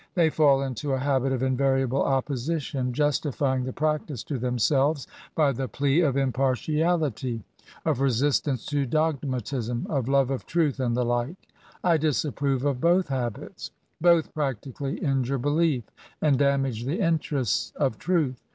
They &11 into a habit of invariable opposition, justifying the practice to themselves by the plea of impartiality. QAINS AND PBIVILEQES. 21 —of resistance to dogmatism, — of love of truths and the like. I disapprove of both habits. Both practically injure belief, and damage the interests of truth.